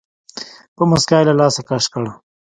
په موسکا يې له لاسه کش کړ.